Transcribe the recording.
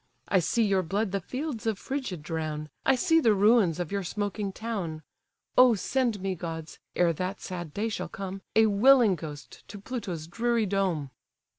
I see your blood the fields of Phrygia drown, I see the ruins of your smoking town! O send me, gods! ere that sad day shall come, A willing ghost to Pluto's dreary dome!"